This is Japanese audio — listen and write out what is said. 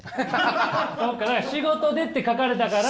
「仕事で」って書かれたから。